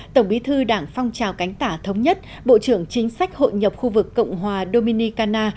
tổng bí thư đảng phong trào cánh tả thống nhất bộ trưởng chính sách hội nhập khu vực cộng hòa dominicana